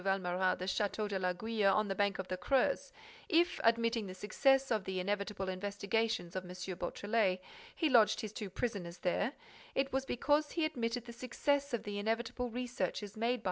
Valméras the Château de l'Aiguille on the bank of the Creuse; if, admitting the success of the inevitable investigations of M. Beautrelet, he lodged his two prisoners there, it was because he admitted the success of the inevitable researches made by M.